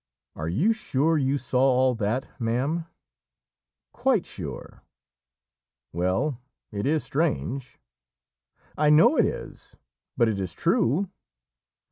"Are you sure you saw all that, ma'am?" "Quite sure." "Well, it is strange." "I know it is; but it is true.